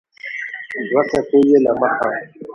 دوه صفحې یې له مخه